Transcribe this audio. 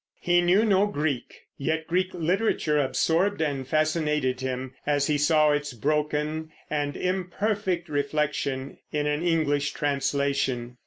He knew no Greek; yet Greek literature absorbed and fascinated him, as he saw its broken and imperfect reflection in an English translation.